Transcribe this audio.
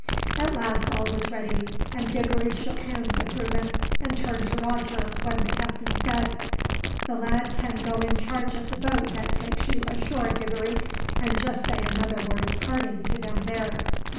At last all was ready, and Diggory shook hands with Reuben, and turned to Roger, when the captain said: "The lad can go in charge of the boat that takes you ashore, Diggory, and just say another word of parting to them there."